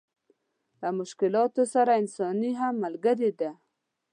له مشکلاتو سره اساني هم ملګرې ده.